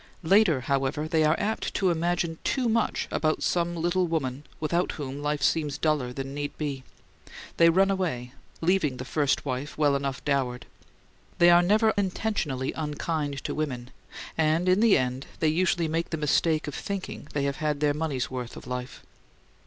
Later, however, they are apt to imagine too much about some little woman without whom life seems duller than need be. They run away, leaving the first wife well enough dowered. They are never intentionally unkind to women, and in the end they usually make the mistake of thinking they have had their money's worth of life.